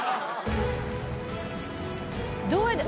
どうやって？